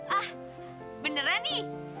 ah beneran di